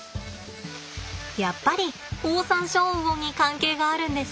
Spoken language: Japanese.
やっぱりオオサンショウウオに関係があるんです。